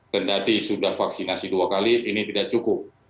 kendati sudah vaksinasi dua kali ini tidak cukup